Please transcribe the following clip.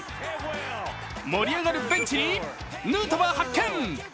盛り上がるベンチにヌートバー発見。